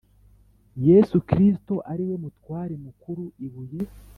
Yesu Kristo ariwe Mutware Mukuru ibuye